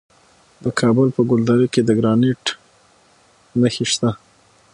د کابل په ګلدره کې د ګرانیټ نښې شته.